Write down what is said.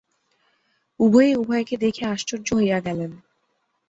উভয়েই উভয়কে দেখিয়া আশ্চর্য হইয়া গেলেন।